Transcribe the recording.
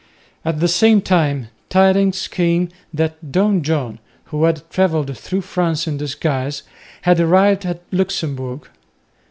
At the same time tidings came that Don John, who had travelled through France in disguise, had arrived at Luxemburg.